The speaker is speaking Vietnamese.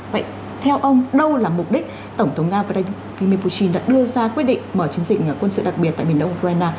vậy theo ông đâu là mục đích tổng thống nga vladimir putin đã đưa ra quyết định mở chiến dịch quân sự đặc biệt tại miền đông ukraine